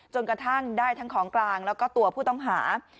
จนกระทั่งได้ทั้งของกลางแล้วก็ตัวผู้ต้องหา